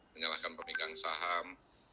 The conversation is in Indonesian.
menyalahkan pemegang saham